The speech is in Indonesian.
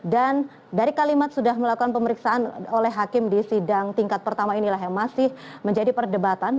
dan dari kalimat sudah melakukan pemeriksaan oleh hakim di sidang tingkat pertama inilah yang masih menjadi perdebatan